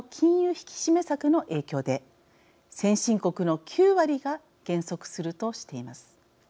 引き締め策の影響で先進国の９割が減速するとしています。